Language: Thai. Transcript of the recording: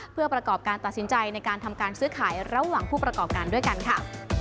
เพื่อประกอบการตัดสินใจในการทำการซื้อขายระหว่างผู้ประกอบการด้วยกันค่ะ